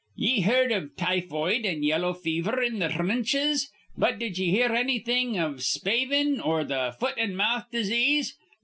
Ye heerd iv typhoid an' yellow fever in th' threnches; but did ye hear annything iv spavin or th' foot an' mouth disease?